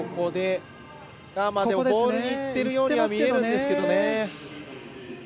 ボールにいってるようにも見えるんですけどね。